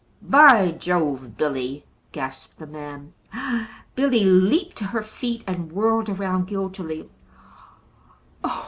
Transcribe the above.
"By Jove Billy!" gasped the man. Billy leaped to her feet and whirled around guiltily.